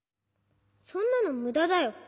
そんなのむだだよ。